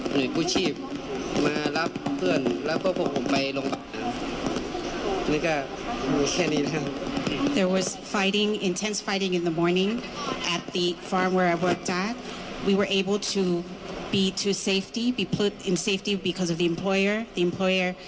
หน่วยกู้ชีพมารับเพื่อนแล้วก็พวกผมไปโรงพยาบาล